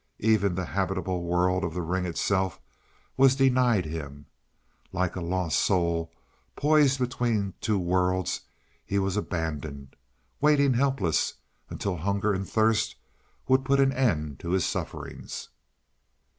Even the habitable world of the ring itself, was denied him. Like a lost soul, poised between two worlds, he was abandoned, waiting helpless, until hunger and thirst would put an end to his sufferings.